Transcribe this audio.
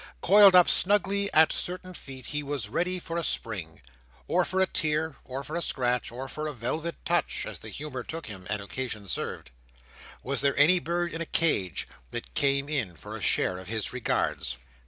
Coiled up snugly at certain feet, he was ready for a spring, Or for a tear, or for a scratch, or for a velvet touch, as the humour took him and occasion served. Was there any bird in a cage, that came in for a share of his regards?